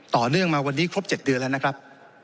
ต่อเนื่องมาวันนี้ครบ๗เดือนแล้วนะครับ